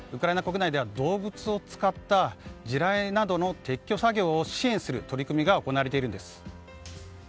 動物を使った地雷などの撤去作業を支援する取り組みが行われているんです。